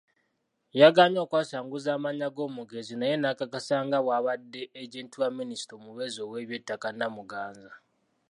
Yagaanye okwasanguza amannya g'omugenzi naye n'akakasa nga bw'abadde Agenti wa Minisita omubeezi ow'ebyettaka Namuganza.